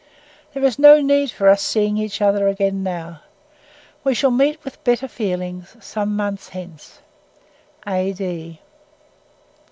"There is no need for our seeing each other again now. We shall meet with better feelings some months hence. "A.D."